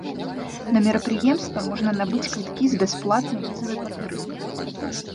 На мерапрыемства можна набыць квіткі з бясплатнай візавай падтрымкай.